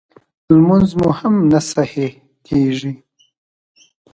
لمونځ مو هم نه صحیح کېږي